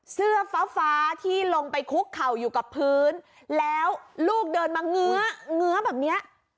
เสื้อฟ้าฟ้าที่ลงไปคุกเข่าอยู่กับพื้นแล้วลูกเดินมาเงื้อเงื้อแบบเนี้ย